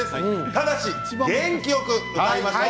ただし、元気よく歌いましょう。